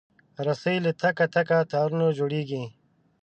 رسۍ له تکه تکه تارونو جوړېږي.